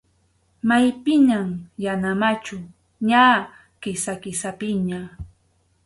Maypiñam yana machu, ña Kisa-Kisapiña.